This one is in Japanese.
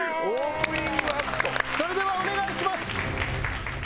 それではお願いします！